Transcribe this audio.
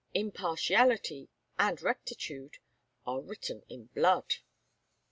impartiality, and rectitude, are written in blood."